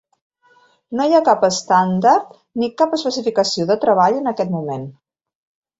No hi ha cap estàndard ni cap especificació de treball en aquest moment.